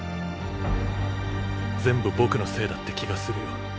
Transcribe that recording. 全部僕のせいだって気がするよ。